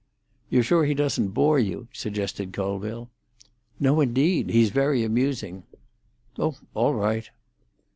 "You're sure he doesn't bore you?" suggested Colville. "No, indeed. He's very amusing." "Oh, all right!"